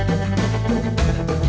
jangan kurang tahu di luar sana